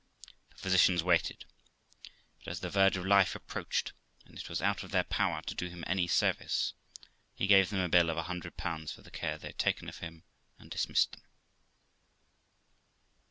The physicians waited; but as the verge of life approached, and it was out of their power to do him any service, he gave them a bill of i 100 for the care they had taken of him, and dismissed them.